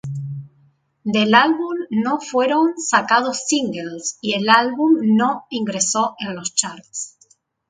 Del álbum no fueron sacados singles y el álbum no ingreso en los charts.